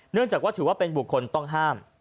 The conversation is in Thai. เนื่องจากว่าถือว่าเป็นบุคคลต้องห้าม